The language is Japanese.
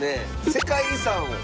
世界遺産？